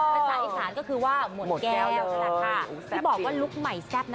ภาษาอินสารก็คือว่าหมดแก้วหมดแก้วเลยแซ่บจริงที่บอกว่าลุคใหม่แซ่บนะ